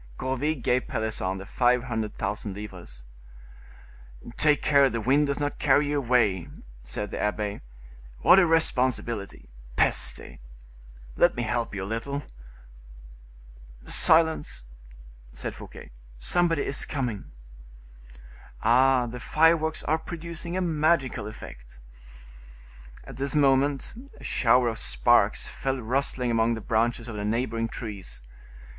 Gourville gave Pelisson the five hundred thousand livres. "Take care the wind does not carry you away," said the abbe; "what a responsibility. Peste! Let me help you a little." "Silence!" said Fouquet, "somebody is coming. Ah! the fireworks are producing a magical effect." At this moment a shower of sparks fell rustling among the branches of the neighboring trees.